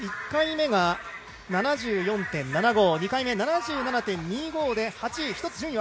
１回目が７４．７５２回目７７．２５で８位、１つ